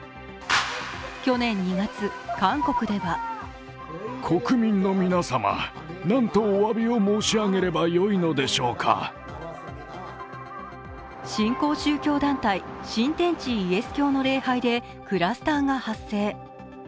去年２月、韓国では新興宗教団体、新天地イエス教の礼拝でクラスターが発生。